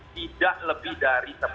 tidak lebih dari